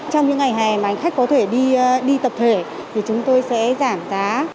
trong những ngày hè mà hành khách có thể đi tập thể thì chúng tôi sẽ giảm giá